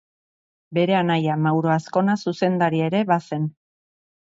Bere anaia Mauro Azkona zuzendaria ere bazen.